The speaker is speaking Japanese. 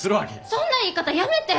・そんな言い方やめて！